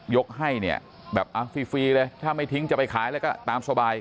ยกให้เนี่ยแบบเอาฟรีเลยถ้าไม่ทิ้งจะไปขายอะไรก็ตามสบาย